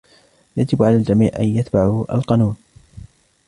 يجب على الجميع أن يتبعوا القانون.